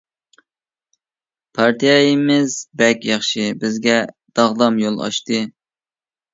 پارتىيەمىز بەك ياخشى، بىزگە داغدام يول ئاچتى.